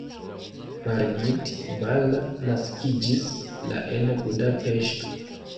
Margit Balla naskiĝis la en Budapeŝto.